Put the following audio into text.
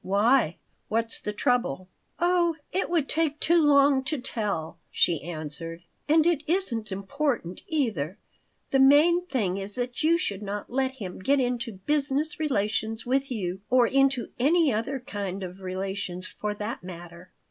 "Why? What's the trouble?" "Oh, it would take too long to tell," she answered. "And it isn't important, either. The main thing is that you should not let him get into business relations with you, or into any other kind of relations, for that matter."